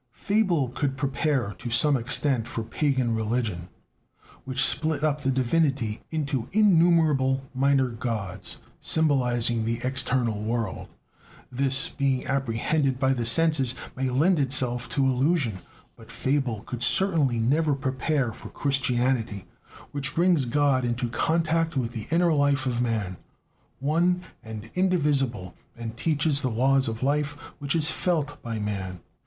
Fable could prepare to some extent for pagan religion, which split up the divinity into innumerable minor gods, symbolizing the external world; this, being apprehended by the senses, may lend itself to illusion; but fable could certainly never prepare for Christianity, which brings God into contact with the inner life of man, "one and indivisible," and teaches the laws of a life which is "felt" by men.